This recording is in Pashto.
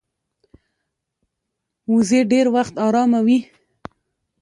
وزې ډېر وخت آرامه وي